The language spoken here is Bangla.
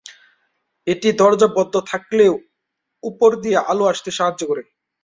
এটি দরজা বন্ধ থাকলেও উপর দিয়ে আলো আসতে সাহায্য করে।